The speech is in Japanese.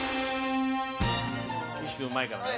岸君うまいからね。